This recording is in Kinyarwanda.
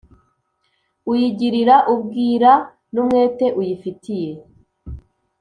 uyigirira ubwira n’umwete uyifitiye,